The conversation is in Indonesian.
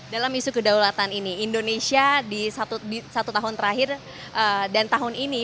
dalam isu kedaulatan ini indonesia di satu tahun terakhir dan tahun ini